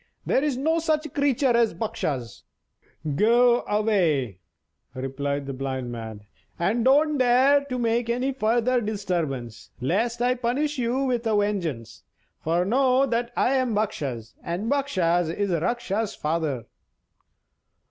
There is no such creature as a Bakshas!" "Go away," replied the Blind Man, "and don't dare to make any further disturbance, lest I punish you with a vengeance; for know that I'm Bakshas, and Bakshas is Rakshas's father."